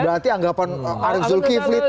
berarti anggapan arzul kivli tomo